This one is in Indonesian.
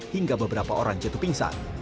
hingga beberapa orang jatuh pingsan